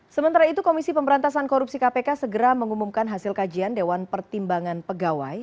sementara itu komisi pemberantasan korupsi kpk segera mengumumkan hasil kajian dewan pertimbangan pegawai